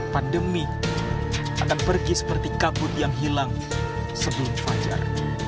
pandemi akan pergi seperti kabut yang hilang sebelum fajar